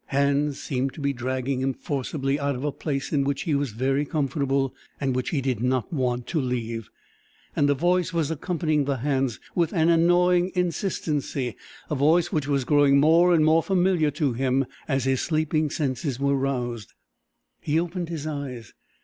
Hands seemed to be dragging him forcibly out of a place in which he was very comfortable, and which he did not want to leave, and a voice was accompanying the hands with an annoying insistency a voice which was growing more and more familiar to him as his sleeping senses were roused. He opened his eyes.